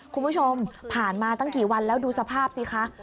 คุณผู้ชมผ่านมาตั้งกี่วันแล้วดูสภาพสิคะ